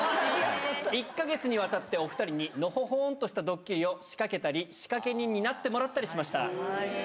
１か月にわたって、お２人に、のほほんとしたドッキリを仕掛けたり、仕掛け人になってもらったりしました。